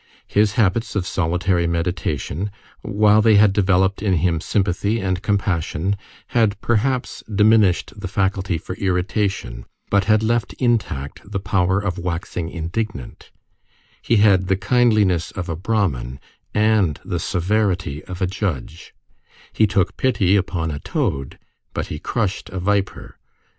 His habits of solitary meditation, while they had developed in him sympathy and compassion, had, perhaps, diminished the faculty for irritation, but had left intact the power of waxing indignant; he had the kindliness of a brahmin, and the severity of a judge; he took pity upon a toad, but he crushed a viper.